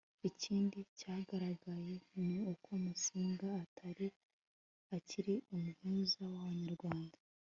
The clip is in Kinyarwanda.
ikindi cyagaragaye ni uko musinga atari akiri umuhuza w'abanyarwanda